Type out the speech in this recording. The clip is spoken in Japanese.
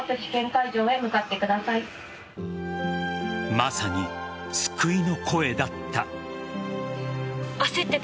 まさに救いの声だった。